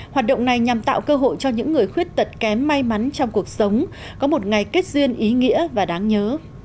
hoạt động này nhằm tạo cơ hội cho những người khuyết tật kém may mắn trong cuộc sống có một ngày kết duyên ý nghĩa và đáng nhớ